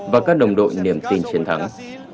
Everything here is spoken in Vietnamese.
và các đồng đội niềm tin chiến thắng